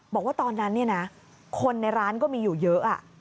บอกว่าตอนนั้นคนในร้านก็มีอยู่เยอะ